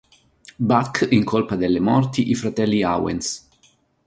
Buck incolpa delle morti i fratelli Owens.